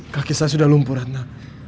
kaki saya sudah lumpuh ratna